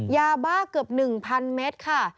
ยาบ้าเกือบ๑๐๐เมตรค่ะ